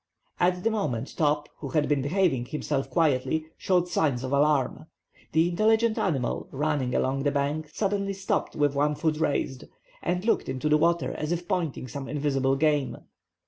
At this moment, Top, who had been behaving himself quietly, showed signs of alarm. The intelligent animal, running along the bank, suddenly stopped, with one foot raised, and looked into the water as if pointing some invisible game.